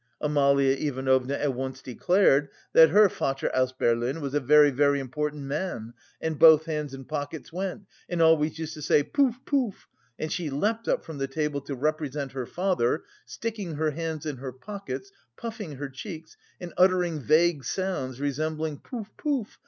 Amalia Ivanovna at once declared that her "Vater aus Berlin was a very, very important man, and both hands in pockets went, and always used to say: 'Poof! poof!'" and she leapt up from the table to represent her father, sticking her hands in her pockets, puffing her cheeks, and uttering vague sounds resembling "poof! poof!"